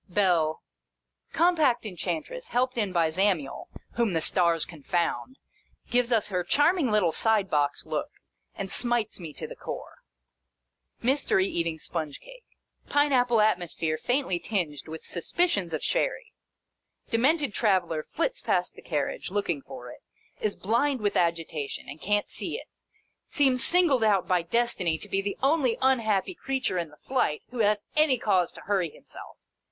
Bell. Compact Enchantress, helped in by Zamiel, (whom the stars confound !) gives us her charming little side box look, and smites me to the core. Mystery eating sponge cake. Pine apple atmosphere faintly tinged with suspicions of sherry. Demented Traveller flits past the carriage, looking for it. Is blind with agitation, and can't see it. Seems singled out by Destiny to be the only unhappy creature in the flight, who has any cause to hurry himself.